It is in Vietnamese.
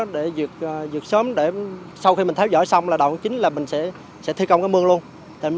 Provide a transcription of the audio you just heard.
để dược sớm để sau khi mình tháo dỡ xong là đầu chính là mình sẽ thi công cái mương luôn